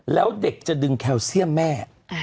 แล้วเด็กจะดึงแคลเซียมแม่